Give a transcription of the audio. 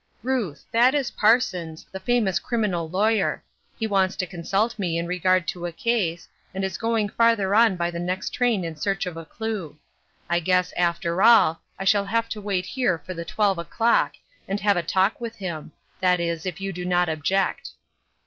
" Ruth, that is Parsons, the famous criminal law yer ; he wants to consult me in regard to a case, and is going farther on by the next train in search of a clue. I guess, after all, I shall have to wait here for the twelve o'clock, and have a talk with him ; that is, if you do not object."